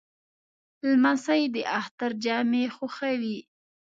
لمسی د اختر جامې خوښوي.